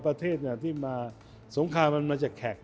ประเทศที่มาสงครามมันจะแขกด้วย